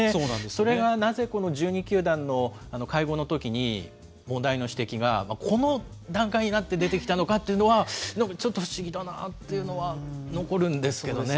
それがなぜこの１２球団の会合のときに問題の指摘が、この段階になって出てきたのかっていうのは、なんかちょっと不思議だなっていうのは残るんですけどね。